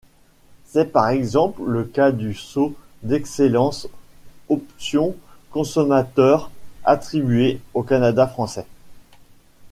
C'est par exemple le cas du Sceau d'excellence Option consommateurs attribué au Canada français.